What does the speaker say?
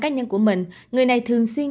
cá nhân của mình người này thường xuyên